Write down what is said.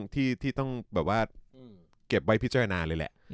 ที่ต้องแบบว่าเก็บไว้พิจารณาเลยแหละ